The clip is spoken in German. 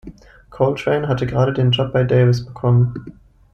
Coltrane hatte gerade den Job bei Davis bekommen.